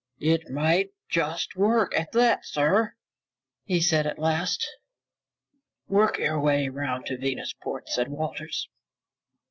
"It might just work, at that, sir," he said at last. "Work your way around to Venusport," said Walters.